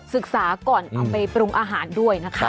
ศึกษาก่อนเอาไปปรุงอาหารด้วยนะคะ